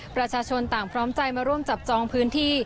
ประชาชนต่างพร้อมใจมาร่วมจับจองพื้นที่